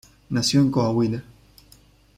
Nació en Coahuila.